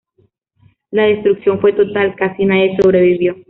La destrucción fue total, casi nadie sobrevivió.